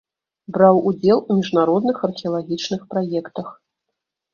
Браў удзел у міжнародных археалагічных праектах.